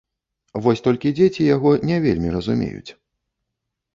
Вось толькі дзеці яго не вельмі разумеюць.